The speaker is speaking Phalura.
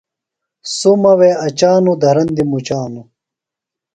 سُمہ وے اچانوۡ، دھرندیۡ مُچانوۡ